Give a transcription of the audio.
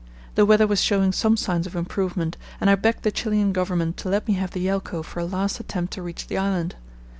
The weather was showing some signs of improvement, and I begged the Chilian Government to let me have the Yelcho for a last attempt to reach the island.